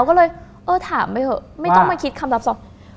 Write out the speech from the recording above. ก็เลยเออถามไปเถอะไม่ต้องมาคิดคำรับสอบ